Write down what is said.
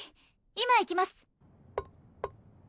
今行きます！